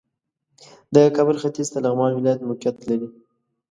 د کابل ختیځ ته لغمان ولایت موقعیت لري